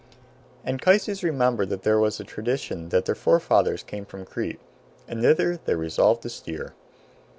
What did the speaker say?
Anchises remembered that there was a tradition that their forefathers came from Crete and thither they resolved to steer.